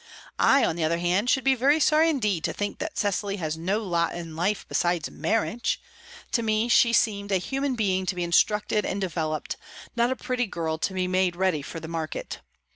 I, on the other hand, should be very sorry indeed to think that Cecily has no lot in life besides marriage; to me she seemed a human being to be instructed and developed, not a pretty girl to be made ready for the market.